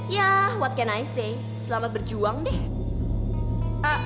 yah what can i say selamat berjuang deh